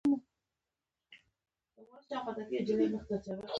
پوهه او کتاب د انسان غوره ملګري دي.